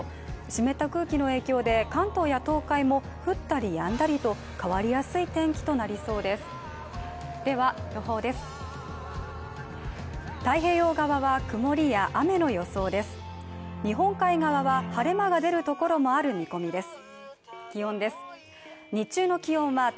湿った空気の影響で、関東や東海も降ったりやんだりと変わりやすい天気となりそうです。